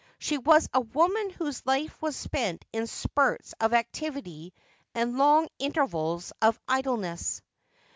She was a woman whose life was spent in spurts of activity and long intervals of idleness.